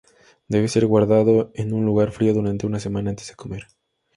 Debe ser guardado en un lugar frío durante una semana antes de comer.